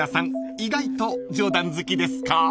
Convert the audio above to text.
意外と冗談好きですか？］